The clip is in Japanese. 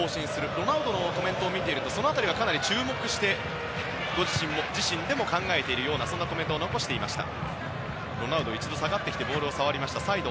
ロナウドのコメントを見ているとその辺りはかなり注目して自身でも考えているようなコメントを残していました。